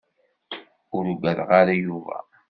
Ur uggadeɣ ara Yuba.